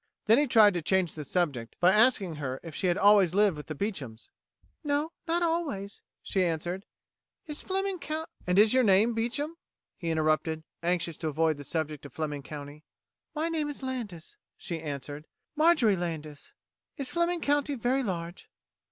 Then he tried to change the subject by asking her if she had always lived with the Beechams. "No not always," she answered. "Is Fleming Cou...." "And is your name Beecham?" he interrupted, anxious to avoid the subject of Fleming County. "My name is Landis," she answered. "Marjorie Landis. Is Fleming County very large?"